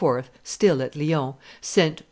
still at Lyons, sent to M.